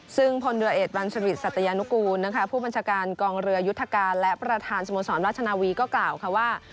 ซึ่งพลเรือเอกวันสวิทย์สัตยานุกูลนะคะผู้บัญชาการกองเรือยุทธการและประธานสโมสรราชนาวีก็กล่าวค่ะว่า